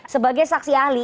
sebagai saksi ahli